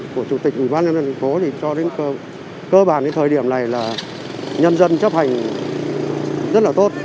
của chủ tịch ubnd tp thì cho đến cơ bản cái thời điểm này là nhân dân chấp hành rất là tốt